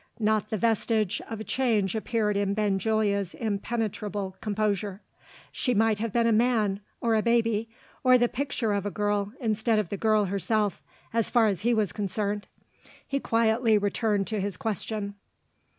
Not the vestige of a change appeared in Benjulia's impenetrable composure. She might have been a man or a baby or the picture of a girl instead of the girl herself, so far as he was concerned. He quietly returned to his question.